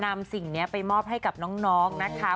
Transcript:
สิ่งนี้ไปมอบให้กับน้องนะคะ